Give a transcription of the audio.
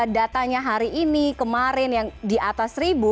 datanya hari ini kemarin yang di atas seribu